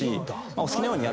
お好きなようにやって。